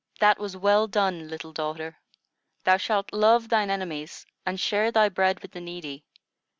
"That was well done, little daughter. Thou shalt love thine enemies, and share thy bread with the needy.